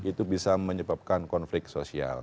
itu bisa menyebabkan konflik sosial